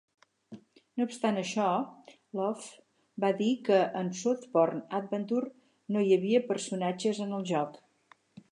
No obstant això, Lowe va dir que en "Softporn Adventure" "no hi havia personatges en el joc.